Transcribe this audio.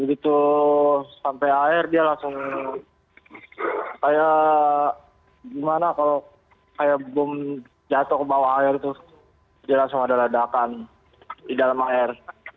begitu sampai air dia langsung kayak gimana kalau kayak bom jatuh ke bawah air itu dia langsung ada ledakan di dalam air